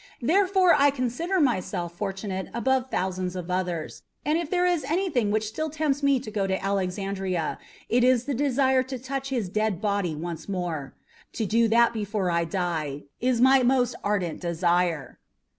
Therefore I consider myself fortunate above thousands of others, and if there is anything which still tempts me to go to Alexandria, it is the desire to touch his dead body once more. To do that before I die is my most ardent desire."